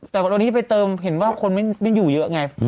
แต่วันนี้ไปเติมเห็นว่าคนไม่อยู่เยอะไง